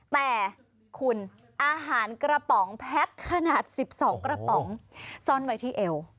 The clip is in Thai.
แต่คุณอาหารกระป๋องแพ็คขนาด๑๒กระป๋องซ่อนไว้ที่เอว